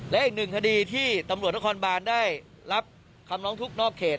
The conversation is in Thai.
และอีกหนึ่งคดีที่ตำรวจนครบานได้รับคำร้องทุกข์นอกเขต